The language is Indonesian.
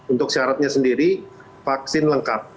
untuk syaratnya sendiri vaksin lengkap